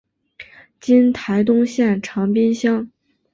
今台东县长滨乡。